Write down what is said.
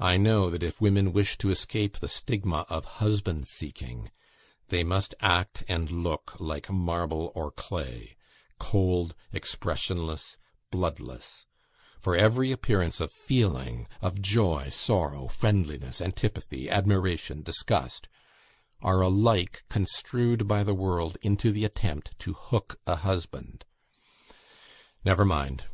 I know that if women wish to escape the stigma of husband seeking, they must act and look like marble or clay cold, expressionless, bloodless; for every appearance of feeling, of joy, sorrow, friendliness, antipathy, admiration, disgust, are alike construed by the world into the attempt to hook a husband. Never mind!